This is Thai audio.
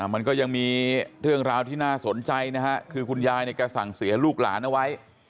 มันก็ยังมีเรื่องราวที่น่าสนใจนะฮะคือคุณยายเนี่ยแกสั่งเสียลูกหลานเอาไว้